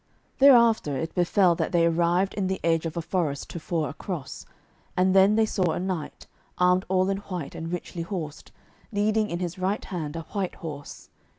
Thereafter it befell that they arrived in the edge of a forest tofore a cross, and then saw they a knight, armed all in white and richly horsed, leading in his right hand a white horse.